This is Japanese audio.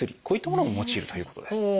こういったものも用いるということです。